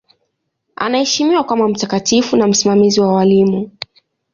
Anaheshimiwa kama mtakatifu na msimamizi wa walimu.